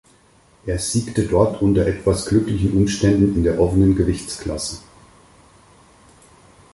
Er siegte dort unter etwas glücklichen Umständen in der offenen Gewichtsklasse.